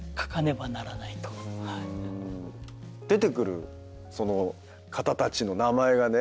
出てくる方たちの名前がね